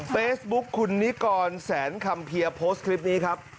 เฟซบุ๊คคุณนิกรแสนคำเพียโพสต์คลิปนี้ครับ